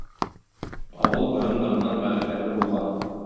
Авыл борын-борыннан мәгърифәтле булган.